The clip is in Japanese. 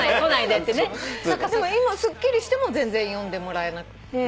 でも今すっきりしても全然呼んでもらえなくって。